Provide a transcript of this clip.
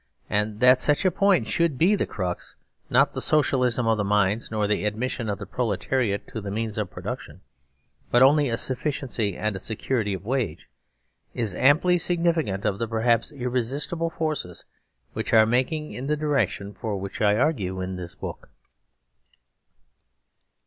Andthatsuch a point should be the crux, not the socialisation of the mines, nor the admission of the proletariat to the means of production, but only a sufficiency and a security of wage, is amply sig nificant of the perhaps irresistible forces which are making in the direction for which I argue in this book.